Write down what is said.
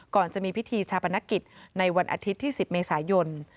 จะมีพิธีชาปนกิจในวันอาทิตย์ที่๑๐เมษายน